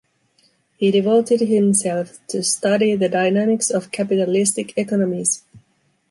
He devoted himself to study the dynamics of capitalistic economies.